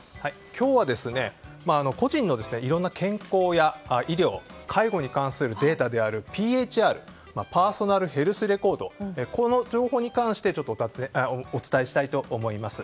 今日は個人のいろんな健康や医療介護に関するデータであるＰＨＲパーソナルヘルスレコードこの情報に関してお伝えしたいと思います。